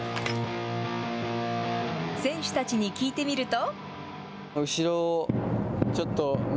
選手たちに聞いてみると。